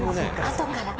「あとから」